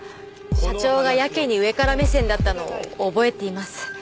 社長がやけに上から目線だったのを覚えています。